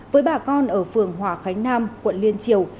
với bà con ở phường hòa khánh nam quận liên triều